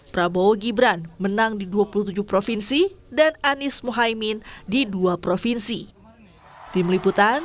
prabowo gibran menang di dua puluh tujuh provinsi dan anies mohaimin di dua provinsi